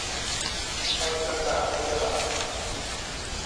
ใบประกาศนียบัตร